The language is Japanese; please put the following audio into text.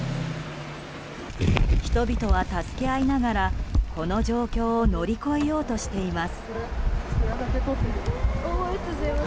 人々は助け合いながらこの状況を乗り越えようとしています。